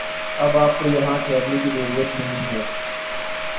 اب آپ کو یہاں ٹھہرنے کی ضرورت نہیں ہے